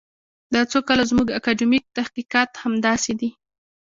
دا څو کاله زموږ اکاډمیک تحقیقات همداسې دي.